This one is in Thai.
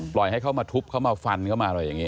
ปล่อยให้เขามาทุบเขามาฟันเข้ามาอะไรอย่างนี้